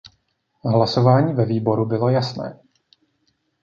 Hlasování ve výboru bylo jasné.